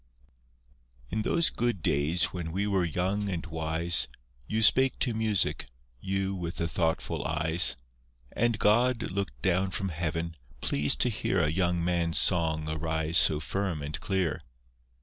In those good days when we were young and wise, You spake to music, you with the thoughtful eyes, And God looked down from heaven, pleased to hear A young man's song arise so firm and clear.